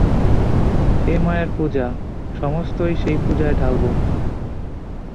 এ মায়ের পূজা, সমস্তই সেই পূজায় ঢালব।